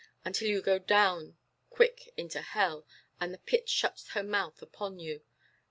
Until you go down quick into hell, and the pit shuts her mouth upon you.